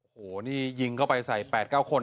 โอ้โหนี่ยิงเข้าไปใส่๘๙คน